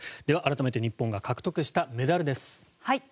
では、改めて日本が獲得したメダルです。